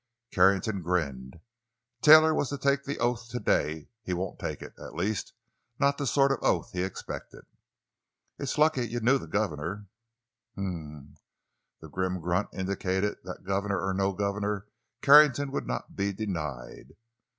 Carrington grinned. "Taylor was to take the oath today. He won't take it—at least, not the sort of oath he expected." "It's lucky you knew the governor." "H m." The grim grunt indicated that, governor or no governor, Carrington would not be denied.